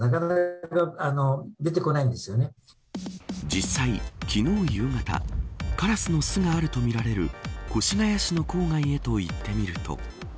実際、昨日、夕方カラスの巣があるとみられる越谷市の郊外へと行ってみると。